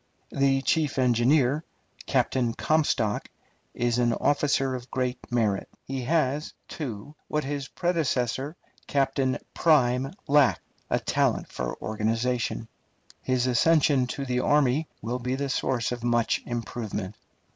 The chief engineer, Captain Comstock, is an officer of great merit. He has, too, what his predecessor, Captain Prime, lacked, a talent for organization. His accession to the army will be the source of much improvement.